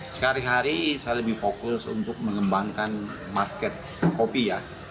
sekali hari saya lebih fokus untuk mengembangkan market kopi ya